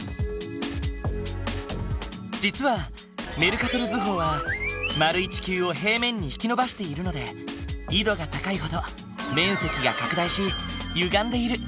実はメルカトル図法は丸い地球を平面に引き伸ばしているので緯度が高いほど面積が拡大しゆがんでいる。